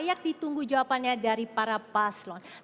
layak ditunggu jawabannya dari para paslon